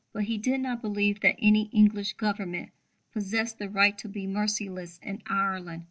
But he did not believe that any English Government possessed the right to be merciless in Ireland.